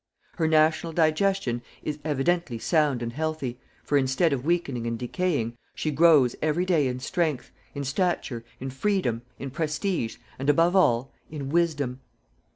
Her national digestion is evidently sound and healthy, for instead of weakening and decaying, she grows every day in strength, in stature, in freedom, in prestige, and, above all, in WISDOM.